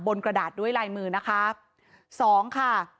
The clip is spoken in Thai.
บนกระดาษด้วยลายมือนะคะ